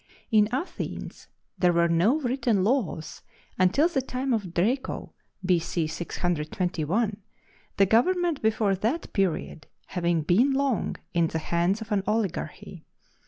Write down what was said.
In Athens there were no written laws until the time of Draco, B.C. 621, the government before that period having been long in the hands of an oligarchy.